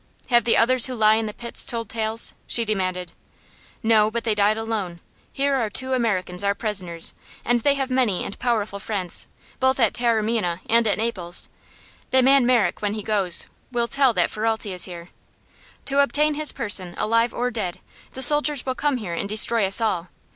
"Have the others who lie in the pit told tales?" she demanded. "No; but they died alone. Here are two Americans our prisoners, and they have many and powerful friends, both at Taormina and at Naples. The man Merrick, when he goes, will tell that Ferralti is here. To obtain his person, alive or dead, the soldiers will come here and destroy us all.